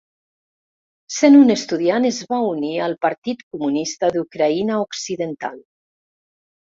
Sent un estudiant es va unir al Partit Comunista d'Ucraïna Occidental.